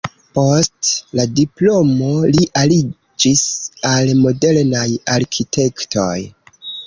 Post la diplomo li aliĝis al modernaj arkitektoj.